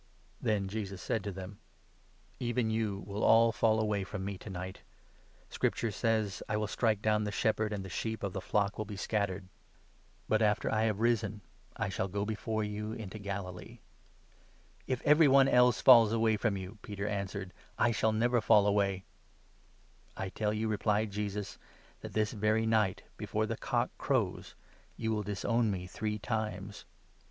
Then Jesus said to them : "Even you will all fall away from me to night. Scripture says —' I will strike down the shepherd, and the sheep of the flock will be scattered.' i»Zech. ii. ia. M Enoch 38. a. » Exod. 24. 8. « Zech. 13. 7. MATTHEW, 26. 93 But, after I have risen, I shall go before you into Galilee." 32 " If everyone else falls away from you," Peter answered, " I 33 shall never fall away !"" I tell you," replied Jesus, " that this very night, before the 34 cock crows, you will disown me three times